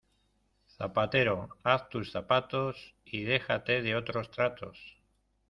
Zapatero, haz tus zapatos, y déjate de otros tratos.